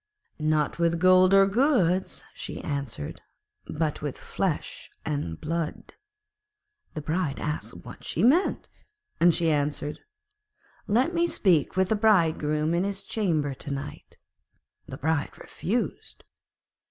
'Not with gold or goods,' she answered; 'but with flesh and blood.' The Bride asked what she meant, and she answered, 'Let me speak with the Bridegroom in his chamber to night.' The Bride refused.